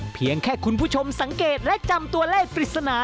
เพียงแค่คุณผู้ชมสังเกตและจำตัวเลขปริศนา